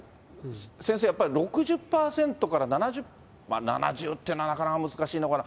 先生、やっぱり６０％から７０、まあ、７０ってのはなかなか難しいのかな。